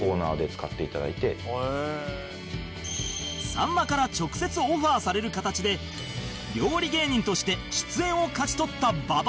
さんまから直接オファーされる形で料理芸人として出演を勝ち取った馬場